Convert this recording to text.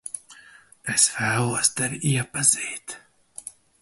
Es vēlos tevi iepazīt.